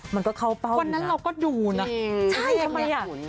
มันก็เข้าเป้าวันนั้นเราก็ดูนะใช่ทำไมอ่ะ